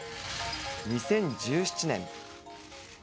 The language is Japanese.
２０１７年。